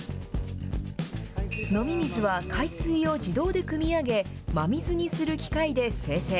飲み水は海水を自動でくみ上げ、真水にする機械で生成。